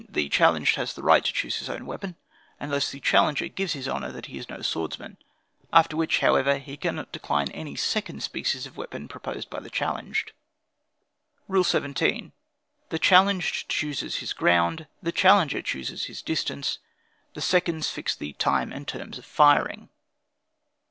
The challenged has the right to choose his own weapon, unless the challenger gives his honor he is no swordsman; after which, however, he cannot decline any second species of weapon proposed by the challenged. "Rule 17. The challenged chooses his ground; the challenger chooses his distance; the seconds fix the time and terms of firing.